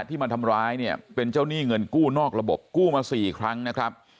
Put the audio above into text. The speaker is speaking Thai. ที่มาทำร้ายเนี่ยเป็นเจ้าหนี้เงินกู้นอกระบบกู้มาสี่ครั้งนะครับ